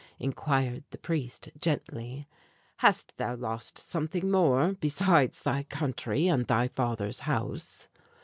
inquired the priest, gently. "Hast thou lost something more, besides thy country and thy father's house?"